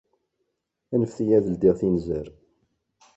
Anfet-iyi ad ldiɣ tinzar